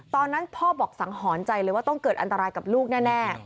ตอนนั้นพ่อบอกสังหรณ์ใจเลยว่าต้องเกิดอันตรายกับลูกแน่